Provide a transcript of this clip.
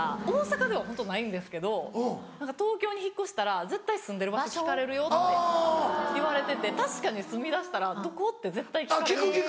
大阪ではホントないんですけど「東京に引っ越したら絶対住んでる場所聞かれるよ」って言われてて確かに住みだしたら「どこ？」って絶対聞かれる。